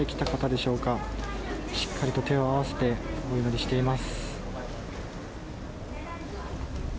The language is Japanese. しっかりと手を合わせてお祈りしています。